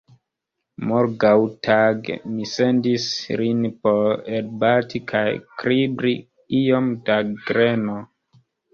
Morgaŭtage mi sendis lin por elbati kaj kribri iom da greno.